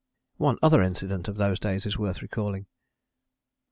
One other incident of those days is worth recalling.